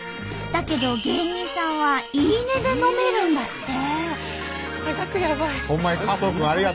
だけど芸人さんは言い値で飲めるんだって！